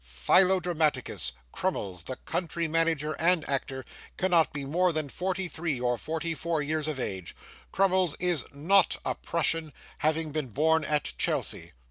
'"Philo Dramaticus. Crummles, the country manager and actor, cannot be more than forty three, or forty four years of age. Crummles is NOT a Prussian, having been born at Chelsea."